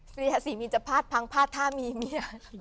ภาษีมีนจะภาดภังภาษามีเมีย